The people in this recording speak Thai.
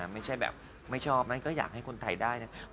ไม่ใช่แบบไม่ชอบไม่ก็อยากให้คนไทยได้นะ